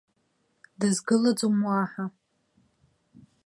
Дызгылаӡом уаҳа.